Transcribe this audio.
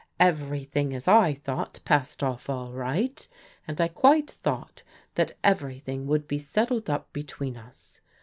Ever3rthing, as I thought, passed off all right, and I quite thought that everything would be settled up between us.